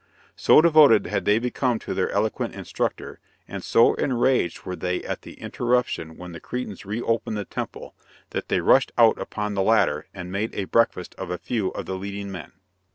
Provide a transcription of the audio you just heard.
So devoted had they become to their eloquent instructor, and so enraged were they at the interruption when the Cretans re opened the temple, that they rushed out upon the latter and made a breakfast of a few of the leading men.